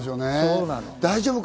大丈夫か？